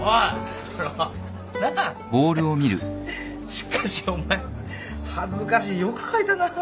しかしお前恥ずかしいよく書いたな。